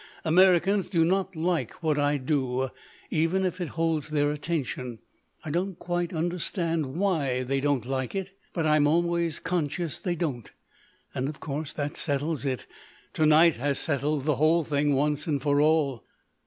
Americans do not like what I do, even if it holds their attention. I don't quite understand why they don't like it, but I'm always conscious they don't. And of course that settles it—to night has settled the whole thing, once and for all."